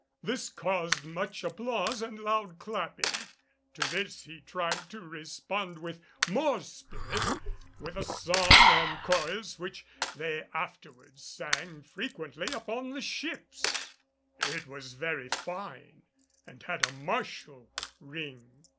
This caused much applause and loud clapping. To this he tried to respond with more spirit, with a song and chorus which they afterwards sang frequently upon the ships. It was very fine and had a martial ring.